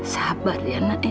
sabar ya nak ya